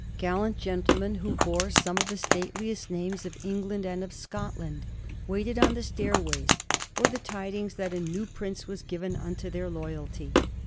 Gallant gentlemen who bore some of the stateliest names of England and of Scotland waited on the stair ways for the tidings that a new prince was given unto their loyalty.